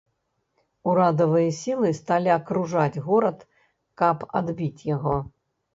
Урадавыя сілы сталі акружаць горад, каб адбіць яго.